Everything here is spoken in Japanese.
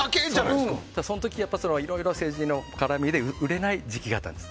その時、いろいろ政治の絡みで売れなかったんです。